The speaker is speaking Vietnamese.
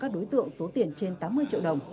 các đối tượng số tiền trên tám mươi triệu đồng